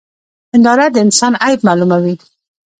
هنداره د انسان عيب معلوموي.